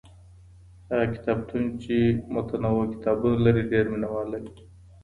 هغه کتابتون چي متنوع کتابونه لري ډېر مينه وال لري.